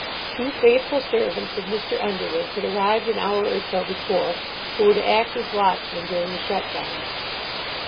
Two faithful servants of Mr. Underwood's had arrived an hour or so before, who were to act as watchmen during the shut down.